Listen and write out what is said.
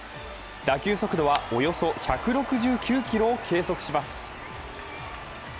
打球速度は、およそ１６９キロを計測します。